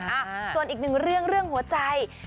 อ่ะส่วนอีกหนึ่งเรื่องเรื่องหัวใจ